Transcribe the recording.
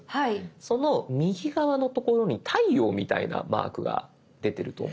その右側の所に太陽みたいなマークが出てると思います。